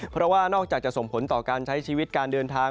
เพราะว่านอกจากจะส่งผลต่อการใช้ชีวิตการเดินทาง